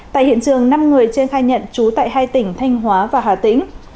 tại hiện trường năm người trên khai nhận trú tại hai tỉnh thanh hóa và hà tĩnh